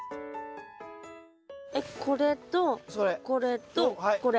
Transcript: えっこれとこれとこれ。